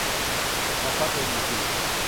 หลักทรัพย์ เออีซี